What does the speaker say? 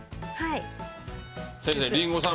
先生、リンゴさん